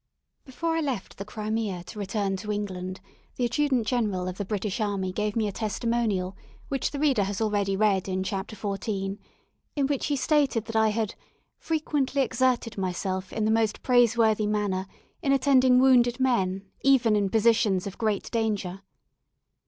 Before I left the Crimea to return to England, the Adjutant General of the British Army gave me a testimonial, which the reader has already read in Chapter XIV., in which he stated that I had "frequently exerted myself in the most praiseworthy manner in attending wounded men, even in positions of great danger."